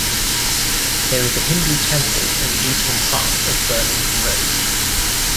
There is a Hindu Temple in the Eastern part of Burlington Road.